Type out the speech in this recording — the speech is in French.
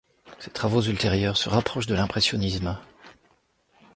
Ses travaux ultérieurs se rapprochent de l'impressionnisme.